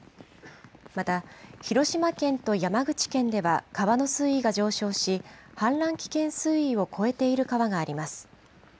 また、広島県と山口県では、川の水位が上昇し、氾濫危険水位を超えている川があります。